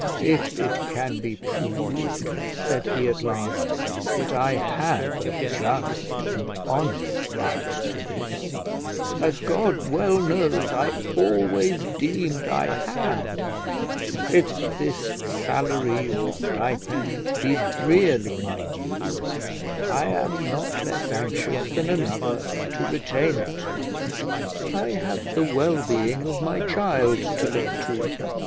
"If it can be proved," said he at last, "that I have a just and honest right to this, as God well knows I always deemed I had; if this salary or stipend be really my due, I am not less anxious than another to retain it. I have the well being of my child to look to.